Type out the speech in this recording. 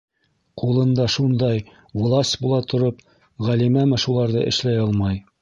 Ҡулында шундай власть була тороп, Ғәлимәме шуларҙы эшләй алмай?